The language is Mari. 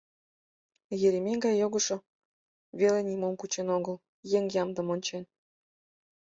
Еремей гай йогыжо веле нимом кучен огыл, еҥ ямдым ончен.